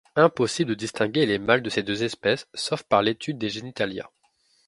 Impossible de distinguer les mâles de ces deux espèces sauf par l'étude des genitalia.